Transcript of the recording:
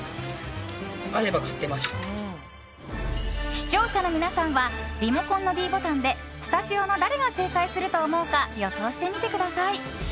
視聴者の皆さんはリモコンのｄボタンでスタジオの誰が正解すると思うか予想してみてください。